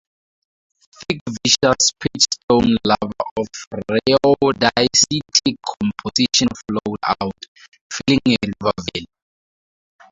Thick viscous pitchstone lava of rhyodacitic composition flowed out, filling a river valley.